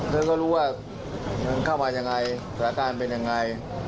แล้วก็รู้ว่ามันเข้ามายังไงสถานการณ์เป็นยังไง